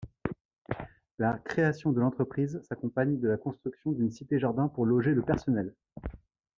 La création de l'entreprise s'accompagne de la construction d'une cité-jardin pour loger le personnel.